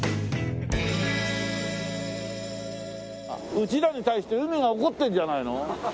うちらに対して海が怒ってるんじゃないの？